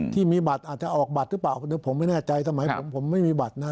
ที่มีบัตรอาจจะออกบัตรหรือเปล่าเดี๋ยวผมไม่แน่ใจสมัยผมผมไม่มีบัตรนะ